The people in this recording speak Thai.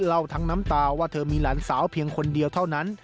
เล่าทั้งน้ำตาว่าเธอมีหลานสาวเพียงคนเดียวเท่านั้น